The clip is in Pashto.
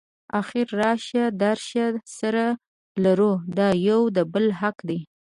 اخر راشه درشه سره لرو دا یو د بل حق دی.